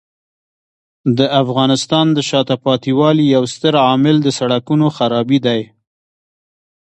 د افغانستان د شاته پاتې والي یو ستر عامل د سړکونو خرابي دی.